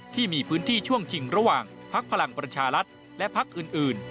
ที่มีพื้นที่ช่วงชิงระหว่างพักพลังประชารัฐและพักอื่น